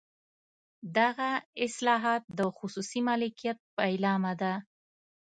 دغه اصلاحات د خصوصي مالکیت پیلامه ده.